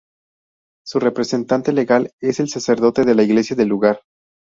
Su representante legal es el sacerdote de la iglesia del lugar.